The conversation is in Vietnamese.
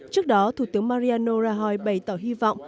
trước đó thủ tướng mariano rajoy bày tỏ hy vọng